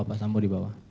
bapak sambo di bawah